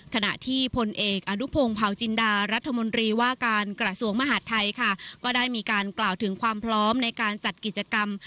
ขณะที่พลเอกอนุพงศ์เผาจินดารัฐมนตรีว่าการกระทรวงมหาดไทยค่ะก็ได้มีการกล่าวถึงความพร้อมในการจัดกิจกรรม